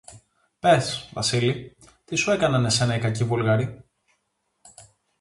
Πες, Βασίλη, τι σου έκαναν εσένα οι κακοί Βούλγαροι;